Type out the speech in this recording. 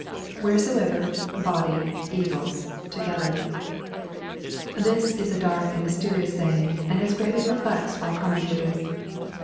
[ Wheresoever...hody...€agles...together.) This is a dark and mys terious saying and has greatly perplexed all commentators.